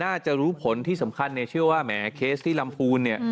น่าจะรู้ผลที่สำคัญในเชื่อว่าแหมเคสที่ลำคูณ